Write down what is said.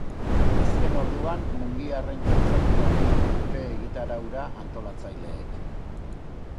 Azken orduan mungiarren kontzertua gehitu dute egitaraura antolatzaileek.